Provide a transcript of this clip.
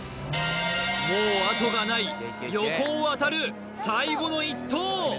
もうあとがない横尾渉最後の１投！